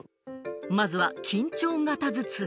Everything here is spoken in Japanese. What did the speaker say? まずは緊張型頭痛。